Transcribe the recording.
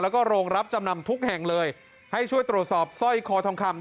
แล้วก็โรงรับจำนำทุกแห่งเลยให้ช่วยตรวจสอบสร้อยคอทองคำ